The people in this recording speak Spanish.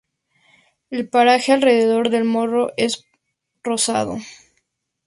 El pelaje alrededor del morro es rosado.